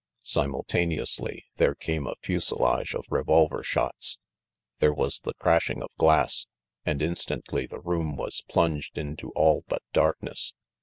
Simultaneously there came a fusilage of revolver shots. There was the crashing of glass, and instantly 210 RANGY PETE the room was plunged into all but darkness.